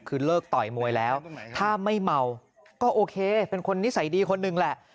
คือเลิกต่อยมวยแล้วถ้าไม่เมาก็โอเคเป็นคนนิสัยดีคนหนึ่งแหละ